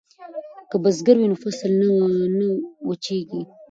که بزګر وي نو فصل نه وچېږي.